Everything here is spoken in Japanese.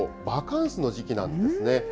バカンスの時期なんですね。